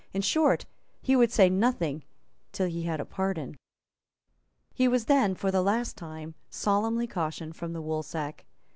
In short, he would say nothing till he had a pardon. He was then, for the last time, solemnly cautioned from the Woolsack.